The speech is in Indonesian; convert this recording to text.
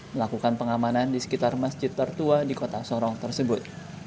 melakukan pengamanan di sekitar masjid tertua di kota sorong tersebut